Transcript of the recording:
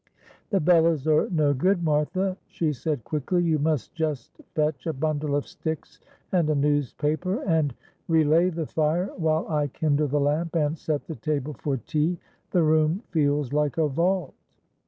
"The bellows are no good, Martha," she said, quickly. "You must just fetch a bundle of sticks and a newspaper, and relay the fire, while I kindle the lamp and set the table for tea; the room feels like a vault."